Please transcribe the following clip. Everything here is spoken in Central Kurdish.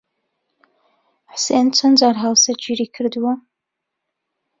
حوسێن چەند جار هاوسەرگیریی کردووە؟